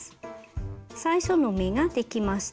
最初の目ができました。